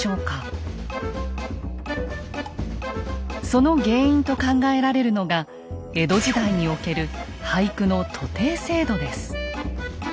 その原因と考えられるのが江戸時代における俳句の徒弟制度です。